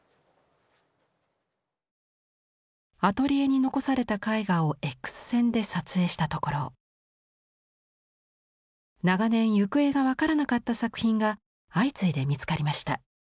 アトリエに残された絵画をエックス線で撮影したところ長年行方が分からなかった作品が相次いで見つかりました。